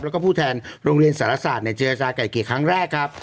แล้วก็ผู้แทนโรงเรียนสารศาสตร์เจรจาไก่เกลี่ยครั้งแรกครับ